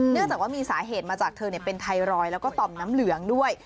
จากว่ามีสาเหตุมาจากเธอเป็นไทรอยด์แล้วก็ต่อมน้ำเหลืองด้วย